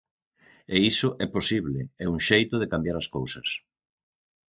E iso é posible, é un xeito de cambiar as cousas.